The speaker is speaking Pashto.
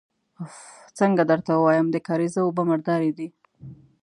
اوف! څنګه درته ووايم، د کارېزه اوبه مردارې دي.